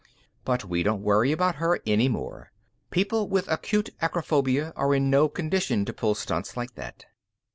"But we don't worry about her any more. People with acute acrophobia are in no condition to pull stunts like that."